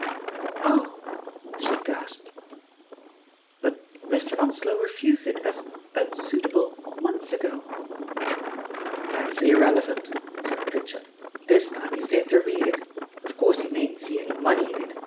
"Ohl" she gasped. "But Mr. Onslow refused it as 'unsuitable' months ago I" "That's irrelevant," said Pritchard ; '*this time he's going to read it. Of course he mayn't see any money in it.